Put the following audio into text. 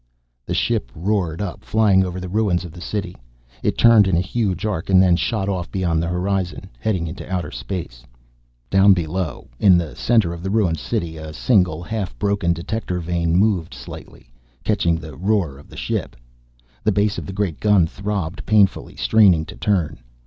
The ship roared up, flying over the ruins of the city. It turned in a huge arc and then shot off beyond the horizon, heading into outer space. Down below, in the center of the ruined city, a single half broken detector vane moved slightly, catching the roar of the ship. The base of the great gun throbbed painfully, straining to turn.